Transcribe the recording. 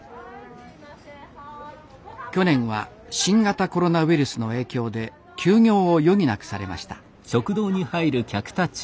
去年は新型コロナウイルスの影響で休業を余儀なくされました。